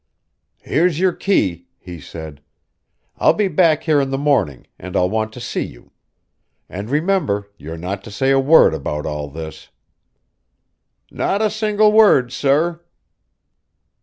"Here's your key," he said. "I'll be back here in the morning, and I'll want to see you. And remember you're not to say a word about all this." "Not a single word, sir."